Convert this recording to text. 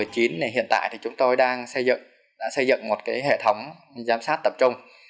trong năm hai nghìn một mươi chín hiện tại chúng tôi đang xây dựng một hệ thống giám sát tập trung